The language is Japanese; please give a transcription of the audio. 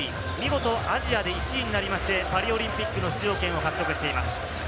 見事、アジアで１位になりまして、パリオリンピックの出場権を獲得しています。